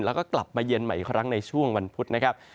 แล้วก็กลับมาเยือนใหม่อีกครั้งในช่วงวันพุธนะครับ